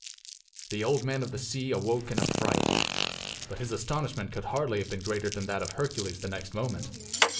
The Old Man of the Sea awoke in a fright But his astonishment could hardly have been greater than that of Hercules the next moment.